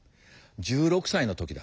１６歳の時だ。